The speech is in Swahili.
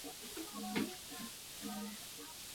Khazar Western and Eastern Turkic Avar na Uyghur kaganates